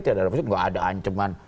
tidak ada ancaman